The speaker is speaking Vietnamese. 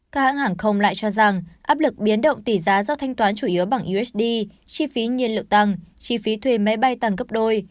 các hãng hàng không lại cho rằng áp lực biến động tỷ giá do thanh toán chủ yếu bằng usd chi phí nhiên liệu tăng chi phí thuê máy bay tăng gấp đôi